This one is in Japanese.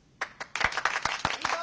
いいぞ！